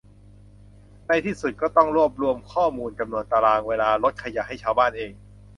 ในที่สุดก็ต้องรวบรวมข้อมูลทำตารางเวลารถขยะให้ชาวบ้านเอง